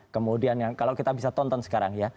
kemudian kalau kita bisa tonton sekarang ya